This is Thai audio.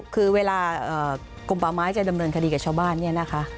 คือเวลากลมประมายเจนดำเนินคดีกับชาวบ้านนะคะ